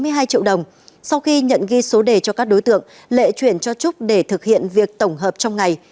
lệ thông qua ứng dụng zalo nhận ghi số đề cho các đối tượng lệ chuyển cho trúc để thực hiện việc tổng hợp trong ngày